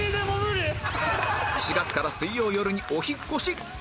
４月から水曜よるにお引っ越し